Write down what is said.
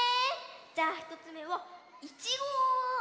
じゃあひとつめはいちご。